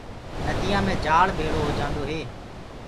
نديآ مي جآݪ ڀيݪو هوجآندو هي۔